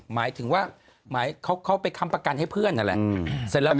หมายถึงว่าหมายเขาไปค้ำประกันให้เพื่อนนั่นแหละ